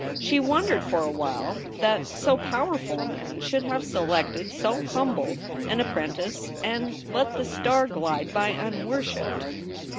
She wondered for a while that so powerful a man should have selected so humble an appren tice and let the star glide by unworshiped.